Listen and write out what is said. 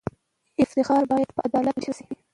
افتخارات باید په عدالت ووېشل سي.